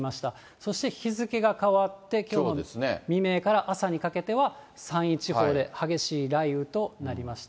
そして日付が変わってきょう未明から朝にかけては、山陰地方で激しい雷雨となりました。